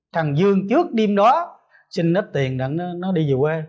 thằng dương trước đêm đó xin ít tiền để nó đi về quê